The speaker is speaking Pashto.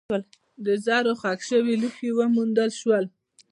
د زرو ښخ شوي لوښي وموندل شول.